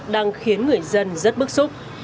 đang khiến người dân rất bức xúc